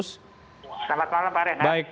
selamat malam pak renan